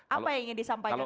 apa yang ingin disampaikan